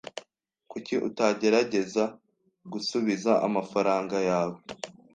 Kuki utagerageza gusubiza amafaranga yawe?